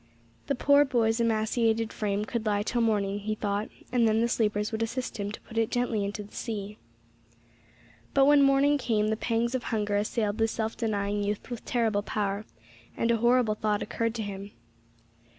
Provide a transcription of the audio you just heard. The poor boy's emaciated frame could lie till morning, he thought, and then the sleepers would assist him to put it gently into the sea. But when morning came, the pangs of hunger assailed the self denying youth with terrible power, and a horrible thought occurred to him.